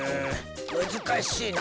むずかしいな。